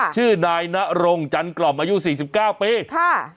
ชื่อนายนารงจันกล่อมอายุ๔๙ปี